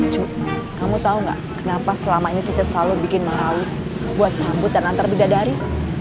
cu kamu tahu nggak kenapa selama ini cece selalu bikin marawis buat sambut dan antar beda dari